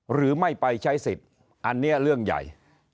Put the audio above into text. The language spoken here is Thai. หรือไม่ไปใช้สิทธิ์อันนี้เรื่องใหญ่